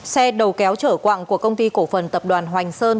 xe đầu kéo trở quặng của công ty cổ phần tập đoàn hoành sơn